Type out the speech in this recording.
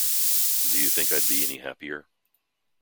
Do you think I'd be any happier?